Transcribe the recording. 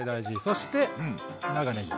そして長ねぎ。